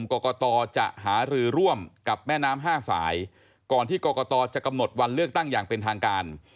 กรกตจะหารือร่วมกับแม่น้ำ๕สายก่อนที่กรกตจะกำหนดวันเลือกตั้งอย่างเป็นทางการ